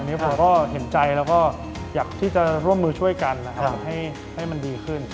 อันนี้ผมก็เห็นใจแล้วก็อยากที่จะร่วมมือช่วยกันนะครับให้มันดีขึ้น